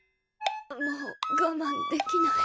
もう我慢できない。